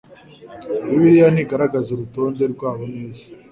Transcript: bibiliya ntigaragaza urutonde rwabo neza